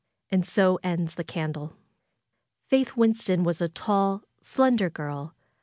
And so ends the candle. Faith Winston was a tall, slender girl.